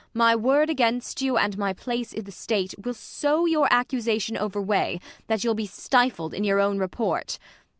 My word against you, and my place i'th' State, Will so your accusation overweigh. That you'll be stifled in your own report.